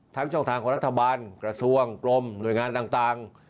ช่องทางของรัฐบาลกระทรวงกลมหน่วยงานต่าง